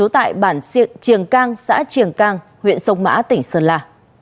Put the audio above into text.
tại bản siệng triềng cang xã triềng cang huyện sông mã tỉnh sơn la